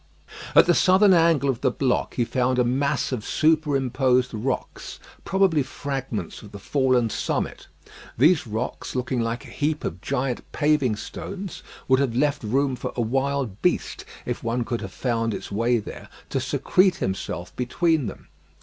At the southern angle of the block, he found a mass of superimposed rocks, probably fragments of the fallen summit. These rocks, looking like a heap of giant paving stones, would have left room for a wild beast, if one could have found its way there, to secrete himself between them.